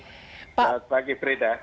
selamat pagi frida